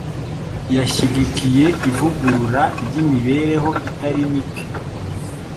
Yashyigikiye ivugurura ry’imibereho itari mike.